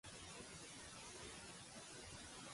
Carta fluixa, burro busca.